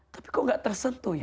tapi kok gak tersentuh ya